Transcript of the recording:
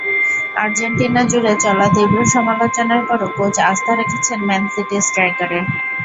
আর্জেন্টিনাজুড়ে চলা তীব্র সমালোচনার পরও কোচ আস্থা রেখেছেন ম্যান সিটি স্ট্রাইকারে।